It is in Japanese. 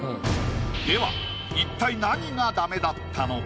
では一体何がダメだったのか？